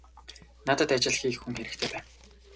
Надад ажил хийх хүн хэрэгтэй байна.